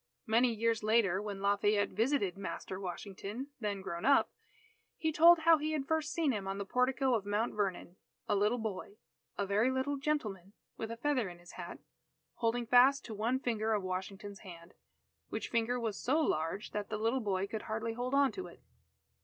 Many years later, when Lafayette visited Master Washington, then grown up, he told how he had first seen him on the portico of Mount Vernon, a little boy, a very little gentleman, with a feather in his hat, holding fast to one finger of Washington's hand, which finger was so large that the little boy could hardly hold on to it.